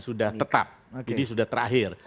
sudah tetap jadi sudah terakhir